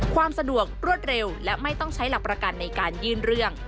ความสะดวกรวดเร็วและไม่ต้องใช้หลักประกันในการยื่นเรื่อง